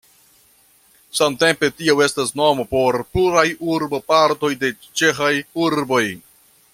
Samtempe tio estas nomo por pluraj urbopartoj de ĉeĥaj urboj.